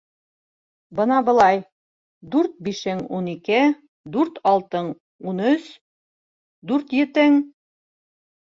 Бына былай: дүрт бишең —ун ике, дүрт алтың —ун өс, дүрт етең...